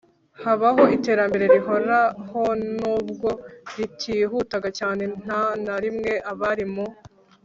habaho iterambere rihoraho n ubwo ritihutaga cyane Nta na rimwe abari mu